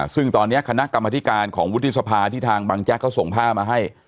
ซึ่งตอนนี้คณะกรรมธิการของวุฒิสภาที่ทางบังแจ๊กเขาส่งผ้ามาให้